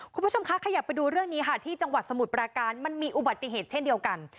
คุณผู้ชมคะขยับไปดูเรื่องนี้ค่ะที่จังหวัดสมุทรปราการมันมีอุบัติเหตุเช่นเดียวกัน